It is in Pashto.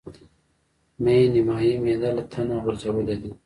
مې نيمایي معده له تنه غورځولې ده.